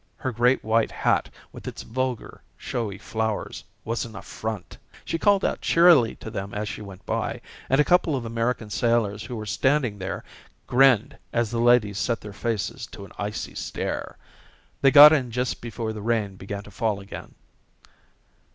Her great white hat with its vulgar, showy flowers was an affront. She called out cheerily to them as she went by, and a couple of American sailors who were standing there grinned as the ladies set their faces to an icy stare. They got in just before the rain began to fall again.